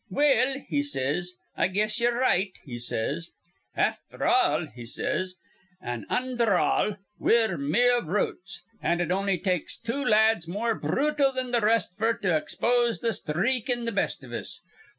'Well,' he says, 'I guess ye're right.' he says. 'Afther all,' he says, 'an' undher all, we're mere brutes; an' it on'y takes two lads more brutal than th' rest f'r to expose th' sthreak in th' best iv us.